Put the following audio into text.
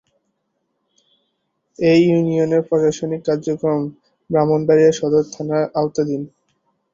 এ ইউনিয়নের প্রশাসনিক কার্যক্রম ব্রাহ্মণবাড়িয়া সদর থানার আওতাধীন।